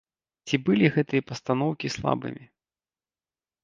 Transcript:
Ці былі гэтыя пастаноўкі слабымі?